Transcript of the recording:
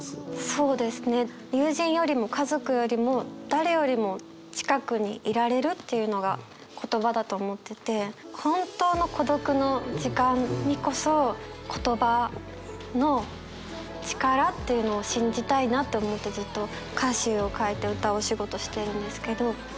そうですね友人よりも家族よりも誰よりも近くにいられるっていうのが言葉だと思ってて本当の孤独の時間にこそ言葉の力というのを信じたいなって思ってずっと歌詞を書いて歌うお仕事してるんですけどはい。